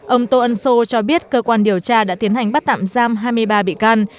ông tô ân sô cho biết cơ quan điều tra đã tiến hành bắt tạm giam hai mươi ba bị can